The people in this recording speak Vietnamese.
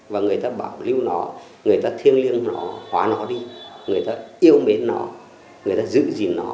và người ta bảo lưu nó người ta thiêng liêng nó hóa nó đi người ta yêu mến nó người ta giữ gìn nó